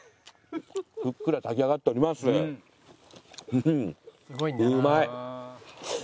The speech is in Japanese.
うんうまい！